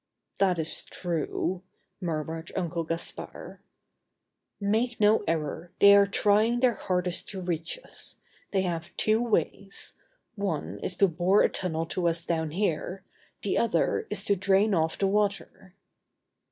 "That is true," murmured Uncle Gaspard. "Make no error, they are trying their hardest to reach us. They have two ways, ... one is to bore a tunnel to us down here, the other is to drain off the water."